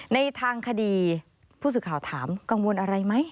ในทางคดีผู้สื่อข่าวถามกังวลอะไรไหม